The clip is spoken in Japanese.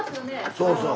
そうそう。